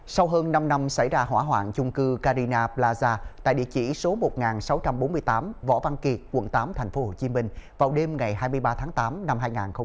sau hơn năm năm xảy ra hỏa hoạn chung cư carina plaza tại địa chỉ số một nghìn sáu trăm bốn mươi tám võ văn kiệt quận tám tp hcm vào đêm ngày hai mươi ba tháng tám năm hai nghìn một mươi chín